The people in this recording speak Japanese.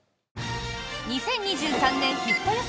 ２０２３年ヒット予測